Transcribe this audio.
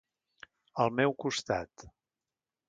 Al meu costat.